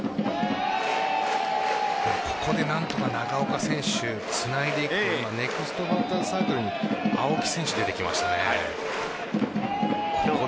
ここで何とか長岡選手つないでネクストバッターズサークルに青木選手、出てきましたね。